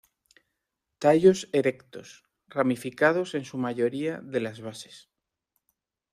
Tallos erectos, ramificados en su mayoría de las bases.